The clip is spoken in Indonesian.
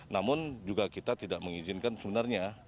namun juga kita tidak mengizinkan sebenarnya